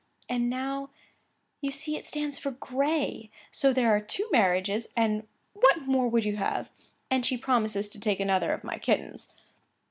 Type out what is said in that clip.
And now you see it stands for Gray. So there are two marriages, and what more would you have? And she promises to take another of my kittens.